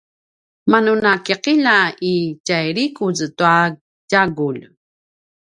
manu nakiqilja i tjai likuz tua tjagulj